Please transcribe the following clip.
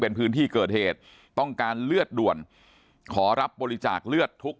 เป็นพื้นที่เกิดเหตุต้องการเลือดด่วนขอรับบริจาคเลือดทุก